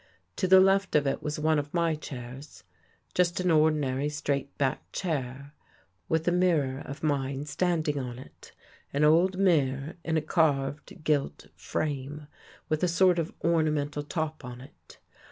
To the left of it was one of my chairs, just an ordinary straight backed chair, with a mirror of mine standing on it — an old mirror in a carved gilt frame, with a sort of ornamental top on it.